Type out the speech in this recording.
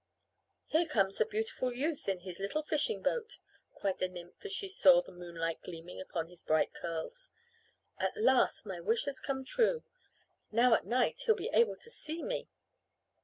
"Here comes the beautiful youth in his little fishing boat!" cried the nymph as she saw the moonlight gleaming upon his bright curls. "At last my wish has come true. Now at night he'll be able to see me."